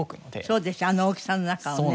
そうでしょあの大きさの中をね。